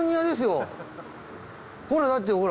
ほらだってほら。